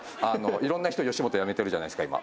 いろんな人吉本辞めてるじゃないですか今。